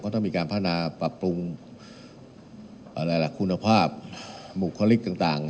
ต้องมีการพัฒนาปรับปรุงคุณภาพบุคลิกต่าง